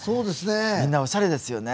みんな、おしゃれですよね。